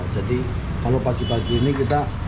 jadi kalau pagi pagi ini kita